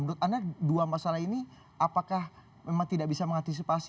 menurut anda dua masalah ini apakah memang tidak bisa mengantisipasi